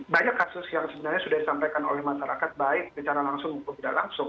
banyak kasus yang sebenarnya sudah disampaikan oleh masyarakat baik bicara langsung buku buku langsung